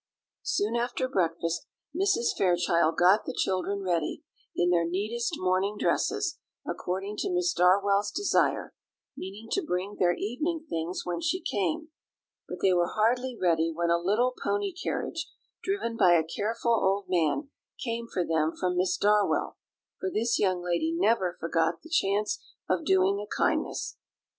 Soon after breakfast Mrs. Fairchild got the children ready, in their neatest morning dresses, according to Miss Darwell's desire; meaning to bring their evening things when she came. But they were hardly ready when a little pony carriage, driven by a careful old man, came for them from Miss Darwell; for this young lady never forgot the chance of doing a kindness.